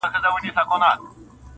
دا پېښه د ټولنې پر ذهن ژور اثر پرېږدي,